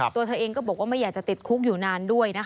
ตัวเธอเองก็บอกว่าไม่อยากจะติดคุกอยู่นานด้วยนะคะ